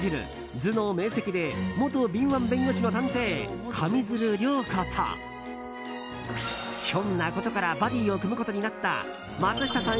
頭脳明晰で元敏腕弁護士の探偵上水流涼子とひょんなことからバディを組むことになった松下さん